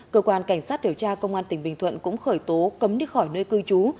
cơ quan cảnh sát điều tra công an tỉnh bình thuận cũng khởi tố cấm đi khỏi nơi cư trú